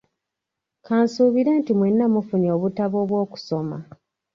Kansuubire nti mwenna mufunye obutabo obwokusoma.